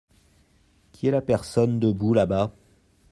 Qui est la personne debout là-bas ?